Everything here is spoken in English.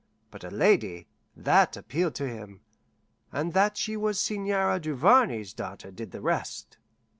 But a lady that appealed to him; and that she was the Seigneur Duvarney's daughter did the rest.